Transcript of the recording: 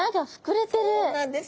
そうなんです！